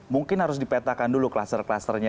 mungkin harus dipetakan dulu kluster klusternya